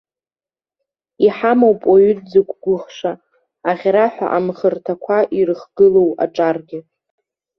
Иҳамоуп уаҩы дзықәгәыӷша, аӷьараҳәа амхырҭақәа ирыхгылоу аҿаргьы.